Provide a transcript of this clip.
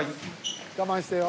［我慢してよ］